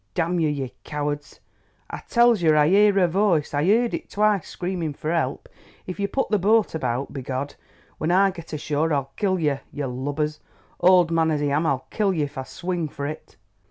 "Damn yer, ye cowards. I tells yer I heard her voice—I heard it twice screaming for help. If you put the boat about, by Goad when I get ashore I'll kill yer, ye lubbers—old man as I am I'll kill yer, if I swing for it!"